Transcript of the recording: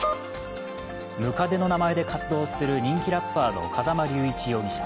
百足の名前で活動する人気ラッパーの風間龍一容疑者。